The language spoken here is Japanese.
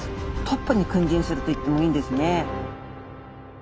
トップに君臨するといってもいいんですね。